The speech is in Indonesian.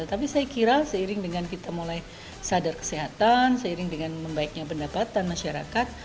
tapi saya kira seiring dengan kita mulai sadar kesehatan seiring dengan membaiknya pendapatan masyarakat